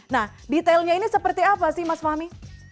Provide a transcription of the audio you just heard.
nah detailnya ini seperti apa sih mas fahmi